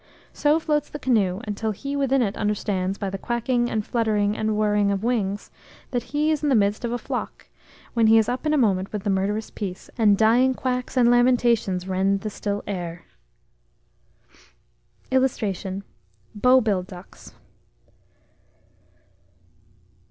So floats the canoe till he within it understands, by the quacking, and fluttering, and whirring of wings, that he is in the midst of a flock, when he is up in a moment with the murderous piece, and dying quacks and lamentations rend the still air. [Illustration: BOW BILL DUCKS.